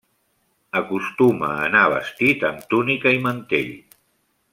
Acostuma a anar vestit amb túnica i mantell.